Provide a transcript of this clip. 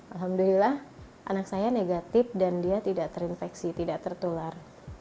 alhamdulillah anak saya negatif dan dia tidak terinfeksi tidak tertular